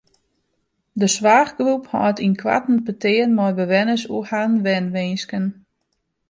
De soarchgroep hâldt ynkoarten petearen mei bewenners oer harren wenwinsken.